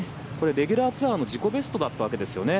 レギュラーツアーの自己ベストだったわけですよね。